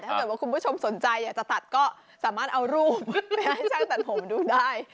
ถ้าเกิดว่าคุณผู้ชมสนใจอยากจะตัดก็สามารถเอารูปไปให้ช่างตัดผมดูได้